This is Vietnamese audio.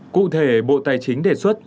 cụ thể bộ tài chính đề xuất